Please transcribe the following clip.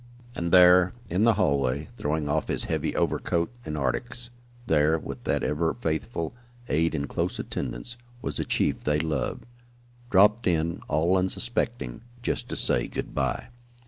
And there, in the hallway, throwing off his heavy overcoat and "arctics," there, with that ever faithful aide in close attendance, was the chief they loved; dropped in, all unsuspecting, just to say good bye.